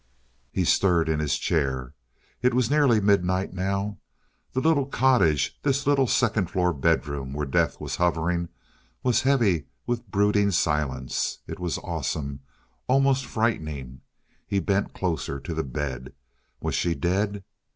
He stirred in his chair. It was nearly midnight now. The little cottage this little second floor bedroom where death was hovering was heavy with brooding silence. It was awesome; almost frightening. He bent closer to the bed. Was she dead?